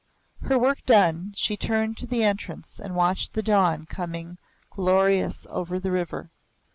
Her work done, she turned to the entrance and watched the dawn coming glorious over the river.